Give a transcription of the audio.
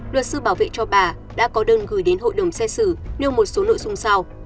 luật sư bảo vệ cho bà đã có đơn gửi đến hội đồng xét xử nêu một số nội dung sau